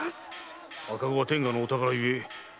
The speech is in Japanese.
赤子は天下のお宝ゆえお産婆が